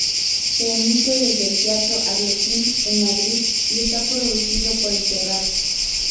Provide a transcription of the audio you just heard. Se emite desde el Teatro Arlequín en Madrid y está producido por El Terrat.